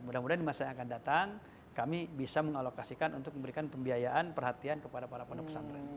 mudah mudahan di masa yang akan datang kami bisa mengalokasikan untuk memberikan pembiayaan perhatian kepada para pondok pesantren